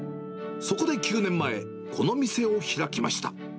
そこで９年前、この店を開きました。